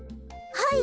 はい。